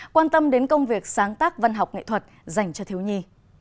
quan tâm đến công việc sáng tác văn học nghệ thuật dành cho thiếu nhi